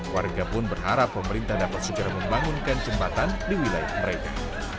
warga pun berharap pemerintah dapat segera membangunkan jembatan di wilayah mereka